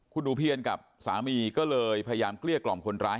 คุณหนูเพียรกับสามีก็เลยพยายามเกลี้ยกล่อมคนร้าย